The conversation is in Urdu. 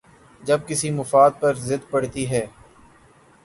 جب کسی مفاد پر زد پڑتی ہے۔